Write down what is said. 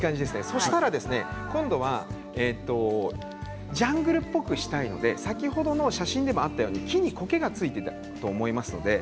そうしたらジャングルっぽくしたいので先ほどの写真でもあったように木に、こけがついていたと思います。